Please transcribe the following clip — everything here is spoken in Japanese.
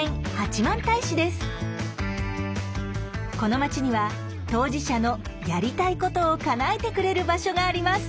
この町には当事者の“やりたいこと”をかなえてくれる場所があります。